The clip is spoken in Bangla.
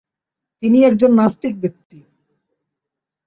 তিনি একজন নাস্তিক ব্যক্তি।